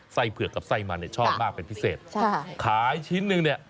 เผือกกับไส้มันเนี่ยชอบมากเป็นพิเศษใช่ขายชิ้นหนึ่งเนี่ย